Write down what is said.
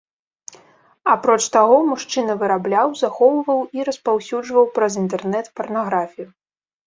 Апроч таго, мужчына вырабляў, захоўваў і распаўсюджваў праз інтэрнэт парнаграфію.